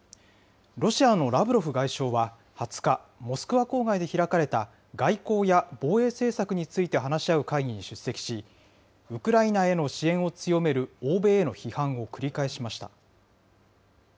ロシアのラブロフ外相は２０日、モスクワ郊外で開かれた、外交や防衛政策について話し合う会議に出席し、ウクライナへの支援を強める欧米への批判を繰り返しました。